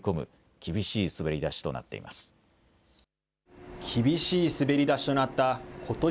厳しい滑り出しとなったことし